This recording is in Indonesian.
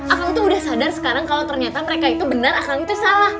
akan tuh udah sadar sekarang kalau ternyata mereka itu benar akan itu salah